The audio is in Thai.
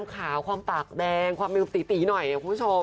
ขาวความปากแดงความเป็นตีหน่อยคุณผู้ชม